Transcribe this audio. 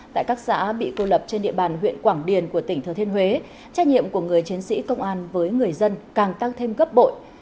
tại các xã bị cô lập trên địa bàn huyện quảng điền của tỉnh thừa thiên huế trách nhiệm của người chiến sĩ công an với người dân càng tăng thêm gấp bội